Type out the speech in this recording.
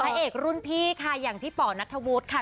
เอกรุ่นพี่ค่ะอย่างพี่ป่อนัทธวุฒิค่ะ